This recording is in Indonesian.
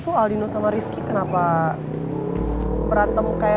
itu aldino sama rifki kenapa berantem kayak musuh kuhitan gitu ya